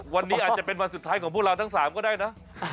วันนี้อาจจะเป็นวันสุดท้ายของพวกเราทั้ง๓ก็ได้นะ